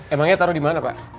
emangnya taruh di mana pak